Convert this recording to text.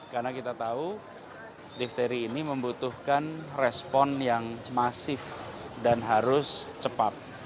karena kita tahu difteri ini membutuhkan respon yang masif dan harus cepat